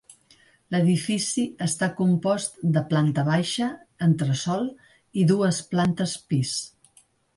L’edifici està compost de planta baixa, entresòl i dues plantes pis.